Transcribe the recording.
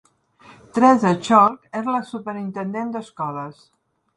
Teresa Chaulk es la superintendent d'escoles.